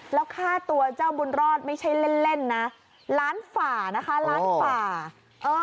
แล้วค่าตัวเจ้าบุญรอดไม่ใช่เล่นเล่นนะล้านฝ่านะคะล้านฝ่าเออ